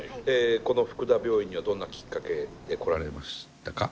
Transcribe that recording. この福田病院にはどんなきっかけで来られましたか？